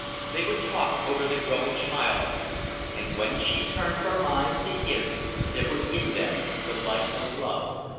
They would talk over the growing child, and when she turned her eyes to his there was in them the light of love.